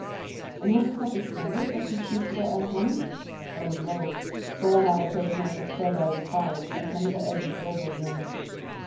"And was it not discovered that your sheets were unhemmed?" "Oh, no, for when I had taken out the thread I required, I hemmed the edges over again."